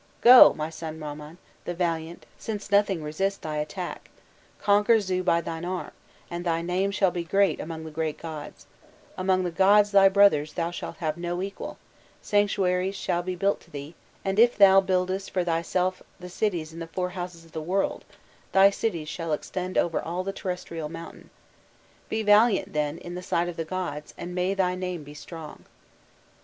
'Go, my son Kamman, the valiant, since nothing resists thy attack; conquer Zu by thine arm, and thy name shall be great among the great gods, among the gods, thy brothers, thou shalt have no equal: sanctuaries shall be built to thee, and if thou buildest for thyself thy cities in the "four houses of the world," * thy cities shall extend over all the terrestrial mountain! 'Be valiant, then, in the sight of the gods, and may thy name be strong.